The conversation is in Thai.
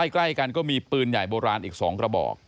ใกล้กันก็มีปืนใหญ่โบราณอีก๒กระบอก